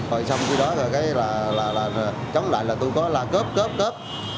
rồi xong cái đó là chống lại là tôi có là cốp cốp cốp